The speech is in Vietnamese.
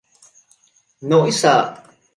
nỗi sợ